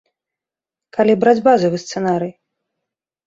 Калі браць базавы сцэнарый.